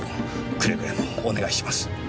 くれぐれもお願いします。